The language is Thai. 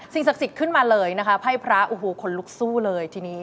สิ่งสักขึ้นมาเลยนะคะไพพระโอ้โหคนลุกสู้เลยทีนี้